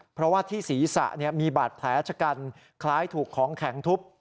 เพราะว่าที่ศีรษะมีบาดแผลชะกันคล้ายถูกของแข็งทุบ